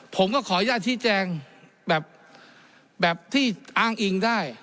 ผมก็ขออนุญาตชี้แจงแบบที่อ้างอิงได้